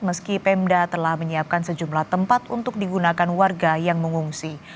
meski pemda telah menyiapkan sejumlah tempat untuk digunakan warga yang mengungsi